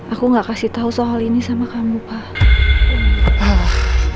aku gak kasih tahu soal ini sama kamu pak